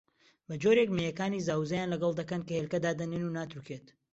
بەجۆرێک مێیەکانی زاوزێیان لەگەڵ دەکەن کە هێلکە دادەنێن و ناتروکێت